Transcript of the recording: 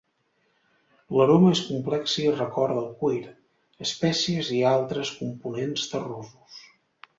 L'aroma és complexa i recorda al cuir, espècies i altres components terrosos.